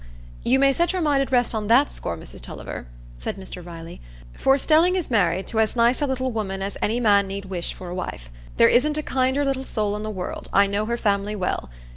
"You may set your mind at rest on that score, Mrs Tulliver," said Mr Riley, "for Stelling is married to as nice a little woman as any man need wish for a wife. There isn't a kinder little soul in the world; I know her family well.